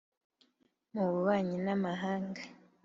mu bubanyi n’amahanga